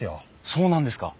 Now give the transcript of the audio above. そうなんですか？